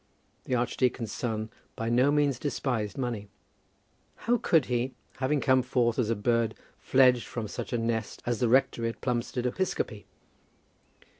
The archdeacon's son by no means despised money. How could he, having come forth as a bird fledged from such a nest as the rectory at Plumstead Episcopi?